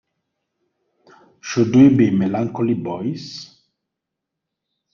Should we be melancholy, boys?